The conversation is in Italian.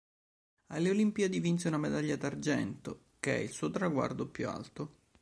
Alle Olimpiadi di vinse una medaglia d'argento, che è il suo traguardo più alto.